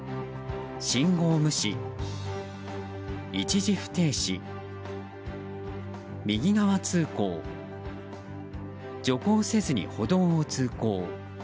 信号無視、一時不停止右側通行、徐行せずに歩道を通行。